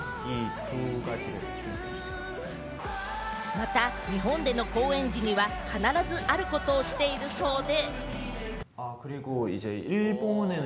また、日本での公演時には必ず、あることをしているそうで。